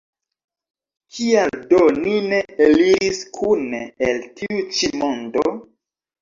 Kial do ni ne eliris kune el tiu ĉi mondo?